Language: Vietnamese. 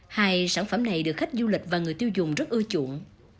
hai sản phẩm này được khách du lịch và người tiêu dùng rất ưa chuộng